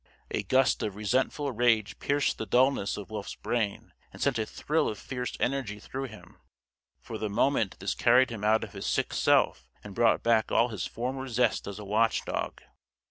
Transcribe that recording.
A gust of resentful rage pierced the dullness of Wolf's brain and sent a thrill of fierce energy through him. For the moment this carried him out of his sick self and brought back all his former zest as a watch dog.